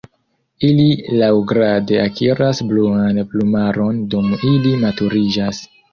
Ili laŭgrade akiras bluan plumaron dum ili maturiĝas.